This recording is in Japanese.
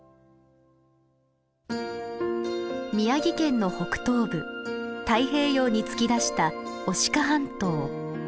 宮城県の北東部太平洋に突き出した牡鹿半島。